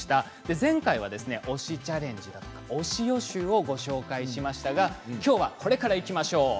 前回は、推しチャレンジ推し予習をご紹介しましたがきょうはこれからいきましょう。